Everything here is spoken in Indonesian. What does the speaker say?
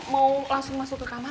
mau langsung masuk ke kamar